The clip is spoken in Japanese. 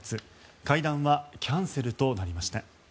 会談はキャンセルとなりました。